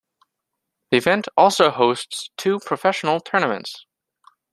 The event also hosts two professional tournaments.